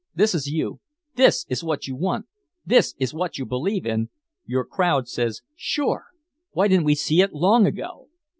This is you, this is what you want, this is what you believe in!' your crowd says, 'Sure! Why didn't we see it long ago?'